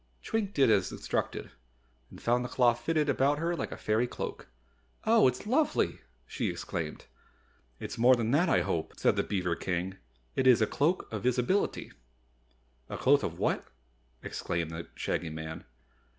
Twink did as instructed and found the cloth fitted about her like a fairy cloak. "Oh, it's lovely," she exclaimed. "It's more than that, I hope," said the beaver King. "It is a Cloak of Visibility." "A cloak of what?" exclaimed the Shaggy Man.